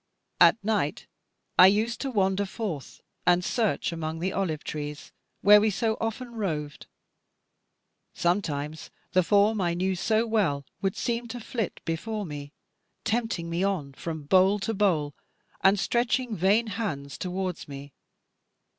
At night I used to wander forth and search among the olive trees, where we so often roved: sometimes the form I knew so well would seem to flit before me, tempting me on from bole to bole, and stretching vain hands towards me.